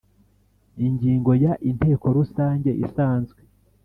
Ingingo ya inteko rusange isanzwe